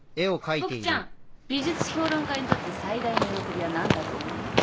ボクちゃん美術評論家にとって最大の喜びは何だと思う？